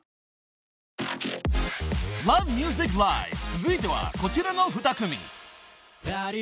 続いてはこちらの２組］